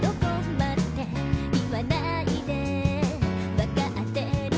待って言わないで」「わかってる」